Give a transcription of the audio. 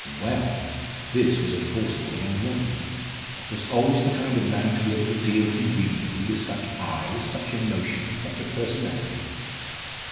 Well! this was a forcible young woman: was Aldous the kind of man to be able to deal conveniently with such eyes, such emotions, such a personality?